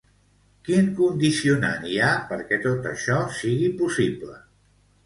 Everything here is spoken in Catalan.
Quin condicionant hi ha perquè tot això sigui possible?